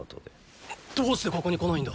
どうしてここに来ないんだ